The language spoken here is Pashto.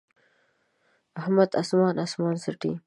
احمد اسمان اسمان څټي.